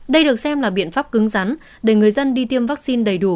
đây được xem là biện pháp cứng rắn để người dân đi tiêm vaccine đầy đủ